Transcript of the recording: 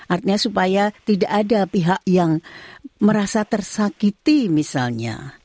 artinya supaya tidak ada pihak yang merasa tersakiti misalnya